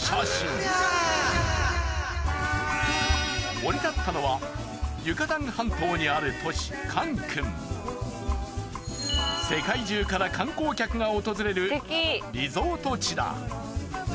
降り立ったのはユカタン半島にある都市世界中から観光客が訪れるリゾート地だ。